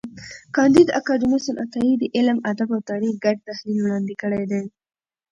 کانديد اکاډميسن عطایي د علم، ادب او تاریخ ګډ تحلیل وړاندي کړی دی.